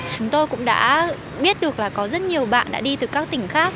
chúng tôi cũng đã biết được là có rất nhiều bạn đã đi từ các tỉnh khác